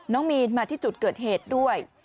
น้องมีนมาที่จุดเกิดเหตุด้วย